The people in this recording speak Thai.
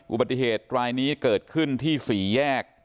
อุบัติเหตุรายนี้เกิดขึ้นที่สี่แยก